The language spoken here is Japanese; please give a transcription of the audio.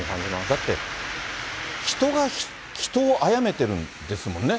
だって、人が人をあやめてるんですもんね。